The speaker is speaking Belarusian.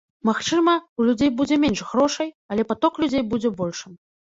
Магчыма, у людзей будзе менш грошай, але паток людзей будзе большым.